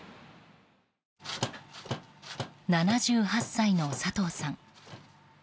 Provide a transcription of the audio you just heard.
７８歳の佐藤さん。